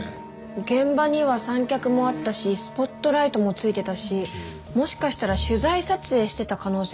現場には三脚もあったしスポットライトもついてたしもしかしたら取材撮影してた可能性もありますよね。